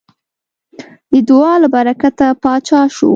د دعا له برکته پاچا شو.